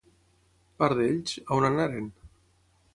Part d'ells, a on anaren?